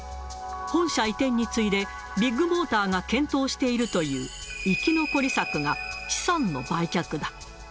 本社移転に次いで、ビッグモーターが検討しているという生き残り策が、資産の売却だ。